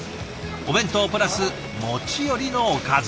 お弁当プラス持ち寄りのおかず。